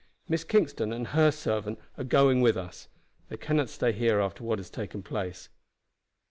Miss Kingston and her servant are going with us. They cannot stay here after what has taken place."